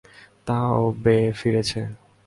তা ও বে ফিরেছে!